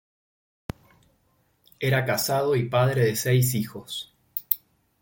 Era casado y padre de seis hijos.